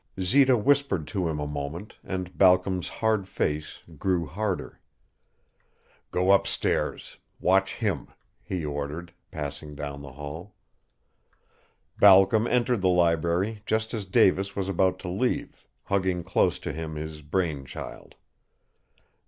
Zita whispered to him a moment and Balcom's hard face grew harder. "Go up stairs watch him," he ordered, passing down the hall. Balcom entered the library just as Davis was about to leave, hugging close to him his brain child.